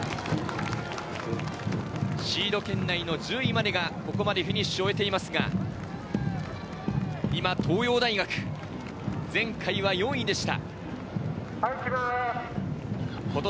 シード圏内の１０位までがフィニッシュを終えていますが、東洋大学、前回は４位でした。